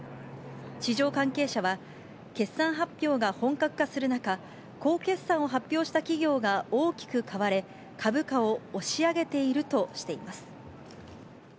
市場関係者は、決算発表が本格化する中、好決算を発表した企業が大きく買われ、株価を押し上げているとしています。